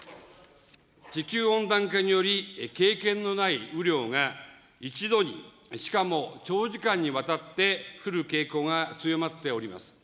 地球温暖化により、経験のない雨量が一度に、しかも長時間にわたって降る傾向が強まっております。